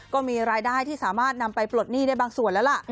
ก็มีรายได้ที่สามารถนำไปปลดหนี้ได้บางส่วนแล้วล่ะ